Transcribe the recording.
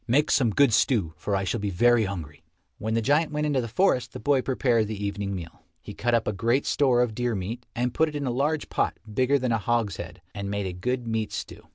Make some good stew, for I shall be very hungry." When the giant went into the forest the boy prepared the evening meal. He cut up a great store of deer meat and put it in a large pot bigger than a hogshead, and made a good meat stew.